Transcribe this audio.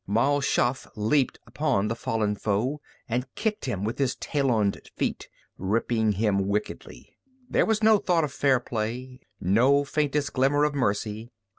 Mal Shaff leaped upon the fallen foe and kicked him with his taloned feet, ripping him wickedly. There was no thought of fair play, no faintest glimmer of mercy.